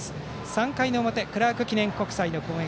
３回の表クラーク記念国際の攻撃。